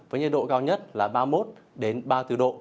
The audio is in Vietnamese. với nhiệt độ cao nhất là ba mươi một ba mươi bốn độ